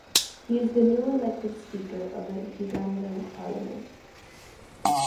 He is the newly elected speaker of the Ugandan parliament.